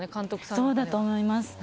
そうだと思います。